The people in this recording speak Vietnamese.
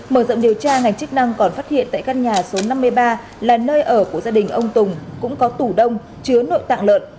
mở rộng điều tra ngành chức năng còn phát hiện tại căn nhà số năm mươi ba là nơi ở của gia đình ông tùng cũng có tủ đông chứa nội tạng lợn